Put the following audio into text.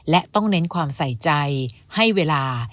และต้องเน้นความใส่ใจให้เวลา